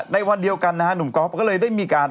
ในวันเดียวกันนะฮะหนุ่มก๊อฟก็เลยได้มีการ